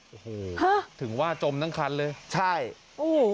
โอ้โฮถึงว่าจมทั้งคันเลยโอ้โฮ